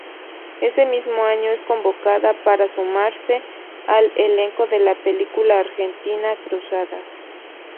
Ese mismo año es convocada para sumarse al elenco de la película argentina, "Cruzadas".